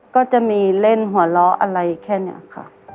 ก็จะมีเล่นหัวเราะอะไรแค่นี้ค่ะ